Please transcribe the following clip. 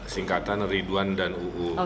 singkatan ridwan dan uu